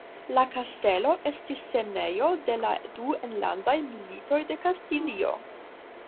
La kastelo estis scenejo de la du enlandaj militoj de Kastilio.